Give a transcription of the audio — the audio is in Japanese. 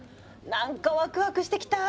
なんかワクワクしてきた。